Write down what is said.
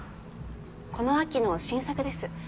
この秋の新作です。